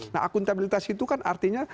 nah akuntabilitas itu kan artinya